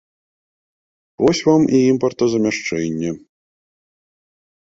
Вось вам і імпартазамяшчэнне!